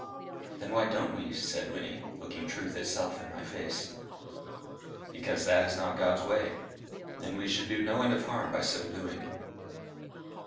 "Then why don't we?" said Wynnie, looking truth itself in my face. "Because that is not God's way, and we should do no end of harm by so doing.